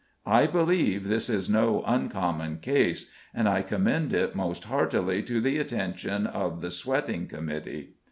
I believe this is no uncommon case, and I commend it most heartily to the attention of the "Sweating Committee."